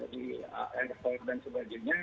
di airport dan sebagainya